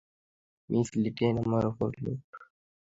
Miss Lynette আমার ওপর লোকটার আকর্ষনের ব্যাপারে ইতোপূর্বেই সন্দেহ করছিলেন।